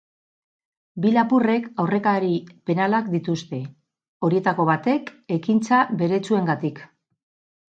Bi lapurrek aurrekari penalak dituzte, horietako batek ekintza beretsuengatik.